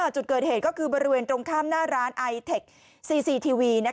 จุดเกิดเหตุก็คือบริเวณตรงข้ามหน้าร้านไอเทคซีซีทีวี